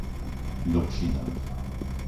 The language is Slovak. Dobšiná